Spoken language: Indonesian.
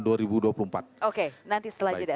oke nanti setelah jeda